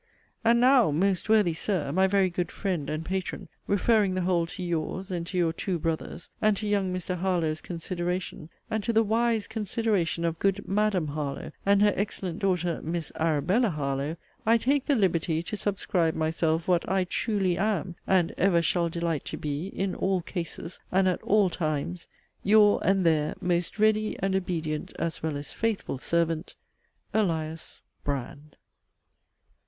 And now, ('most worthy Sir,' my very good friend and patron,) referring the whole to 'your's,' and to your 'two brothers,' and to 'young Mr. Harlowe's' consideration, and to the wise consideration of good 'Madam Harlowe,' and her excellent daughter, 'Miss Arabella Harlowe'; I take the liberty to subscribe myself, what I 'truly am,' and 'every shall delight to be,' in 'all cases,' and at 'all times,' Your and their most ready and obedient as well as faithful servant, ELIAS BRAND.